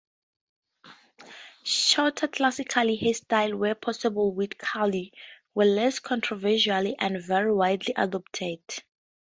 Shorter classical hairstyles, where possible with curls, were less controversial and very widely adopted.